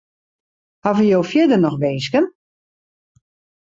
Hawwe jo fierder noch winsken?